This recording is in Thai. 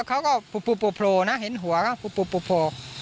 เขาก็พูพูพูพูนะเห็นหัวก็พูพูพูพู